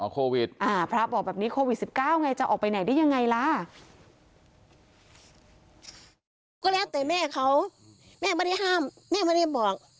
ก็แล้วแต่แม่เขาแม่ไม่ได้ห้ามแม่ไม่ได้บอก